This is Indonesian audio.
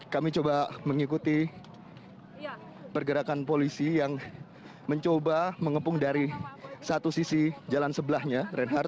kami coba mengikuti pergerakan polisi yang mencoba mengepung dari satu sisi jalan sebelahnya reinhardt